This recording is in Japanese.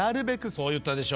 そう言ったでしょう。